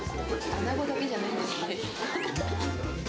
アナゴだけじゃないんですね。